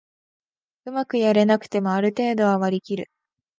うまくやれなくてもある程度は割りきる